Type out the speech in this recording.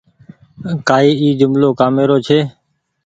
ڪآئي اي جملو ڪآمي رو ڇي۔